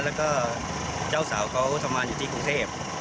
แล้วก็เจ้าสาวเขาทำงานอยู่ที่กรุงเทพ